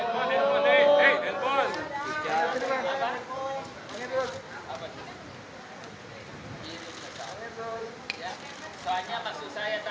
pak ihnen harus bahagia bel find paint